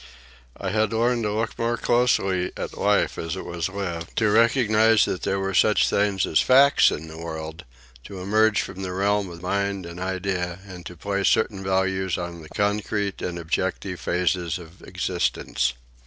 I had learned to look more closely at life as it was lived, to recognize that there were such things as facts in the world, to emerge from the realm of mind and idea and to place certain values on the concrete and objective phases of existence.